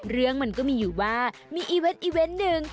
เรื่องมันก็มีอยู่ว่ามีอีเว้นหนึ่ง